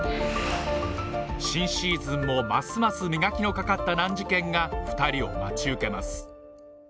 新シーズンもますます磨きのかかった難事件が２人を待ち受けます